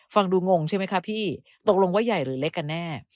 ฟังดูงงใช่ไหมคะพี่ตกลงว่าใหญ่หรือเล็กกันแน่